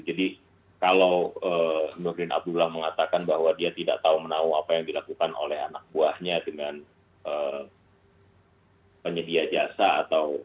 jadi kalau nurdin abdullah mengatakan bahwa dia tidak tahu menahu apa yang dilakukan oleh anak buahnya dengan penyedia jasa atau